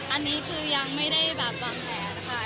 อันนี้คือยังไม่ได้แบบวางแผนค่ะ